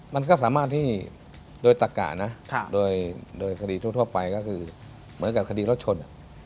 มันก็สามารถที่โดยตะกะนะโดยคดีทั่วไปก็คือเหมือนกับคดีรถชน